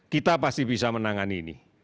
kita pasti bisa menangani ini